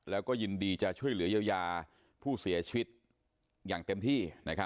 แล้วก็ยินดีจะช่วยเหลือเยียวยาผู้เสียชีวิตอย่างเต็มที่